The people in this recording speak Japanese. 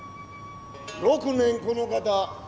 ６年この方